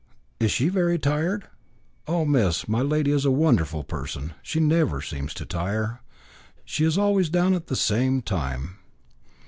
Is she very tired?" "Oh, miss, my lady is a wonderful person; she never seems to tire. She is always down at the same time."